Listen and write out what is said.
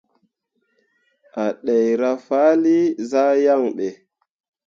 A ɗeera faali zah yaŋ ɓe.